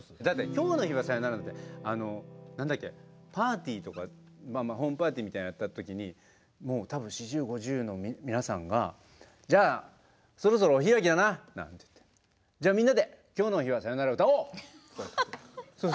「今日の日はさようなら」なんてパーティーとかホームパーティーみたいなのやった時に多分４０５０の皆さんが「じゃあそろそろお開きだな」なんて言ってじゃあみんなで「今日の日はさようなら」を歌おう！